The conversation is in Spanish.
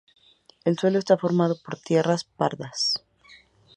El suelo está formado por tierras pardas.